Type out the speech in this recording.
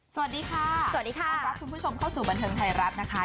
สวัสดีค่ะสวัสดีค่ะต้อนรับคุณผู้ชมเข้าสู่บันเทิงไทยรัฐนะคะ